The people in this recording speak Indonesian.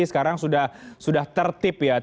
sekarang sudah tertip ya